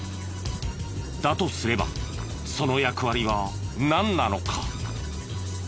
だとすればその役割はなんなのか？